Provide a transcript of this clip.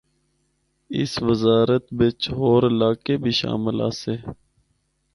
اس وزارت بچ ہور علاقے بھی شامل آسے۔